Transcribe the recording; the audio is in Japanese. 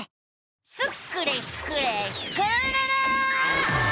スクれスクれスクるるる！